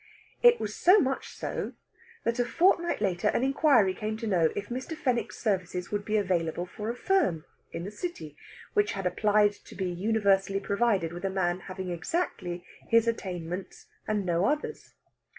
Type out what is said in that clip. It was so much so that a fortnight later an inquiry came to know if Mr. Fenwick's services would be available for a firm in the City, which had applied to be universally provided with a man having exactly his attainments and no others.